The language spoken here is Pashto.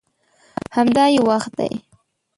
همدا یې وخت دی.